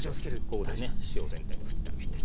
ここでね塩を全体にふってあげて。